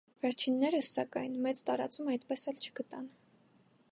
Վերջիններս, սակայն, մեծ տարածում այդպես էլ չգտան։